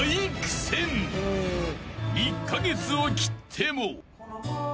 ［１カ月を切っても］